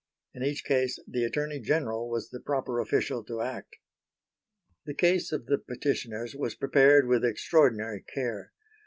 In each case the Attorney General was the proper official to act. The Case of the Petitioners was prepared with extraordinary care.